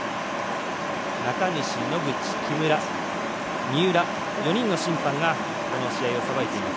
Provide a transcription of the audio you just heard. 中西、野口、木村、三浦と４人の審判がこの試合をさばいています。